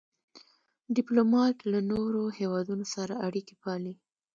ډيپلومات له نورو هېوادونو سره اړیکي پالي.